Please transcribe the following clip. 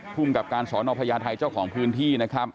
ภูมิกับการสอนอภัยาไทยเจ้าของพื้นที่